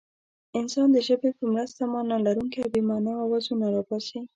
انسان د ژبې په مرسته مانا لرونکي او بې مانا اوازونه را باسي.